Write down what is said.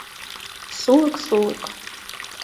Сулык, сулык...